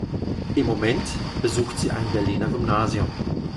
Im Moment besucht sie ein Berliner Gymnasium.